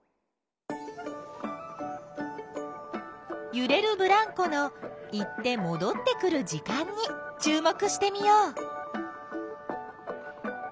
ゆれるブランコの行ってもどってくる時間に注目してみよう。